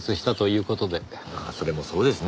まあそれもそうですね。